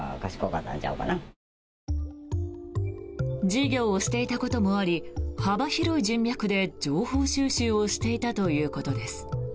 事業をしていたこともあり幅広い人脈で情報収集をしていたということです。